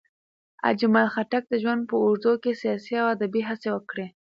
اجمل خټک د ژوند په اوږدو کې سیاسي او ادبي هڅې وکړې.